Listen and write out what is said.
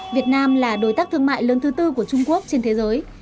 việt nam là đối tác thương mại lớn thứ tư của trung quốc trên thế giới